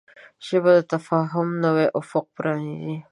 ژبه د تفاهم نوی افق پرانیزي